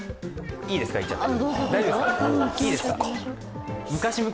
いいですか、いっちゃって。